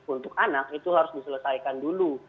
untuk anak itu harus diselesaikan dulu